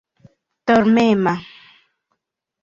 dormema